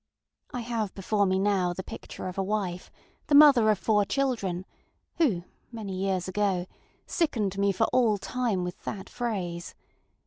ŌĆØ I have before me now the picture of a wife, the mother of four children, who, many years ago, sickened me for all time with that phrase.